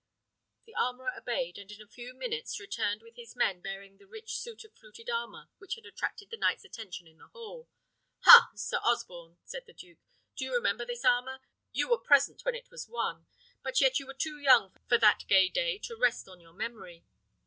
The armourer obeyed; and in a few minutes returned with his men bearing the rich suit of fluted armour which had attracted the knight's attention in the hall. "Ha! Sir Osborne," said the duke, "do you remember this armour? You were present when it was won; but yet you were too young for that gay day to rest on your memory."